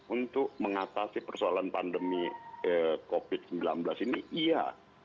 untuk mengatasi persoalan pandemi covid sembilan belas ini iya